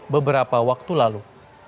beberapa waktu lalu